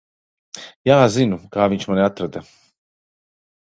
Jā, zinu, kā viņš mani atrada.